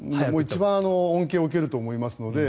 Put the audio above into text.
一番恩恵を受けると思います。